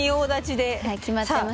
はい決まってます。